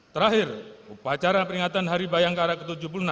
terakhir upacara peringatan hari bayangkara ke tujuh puluh enam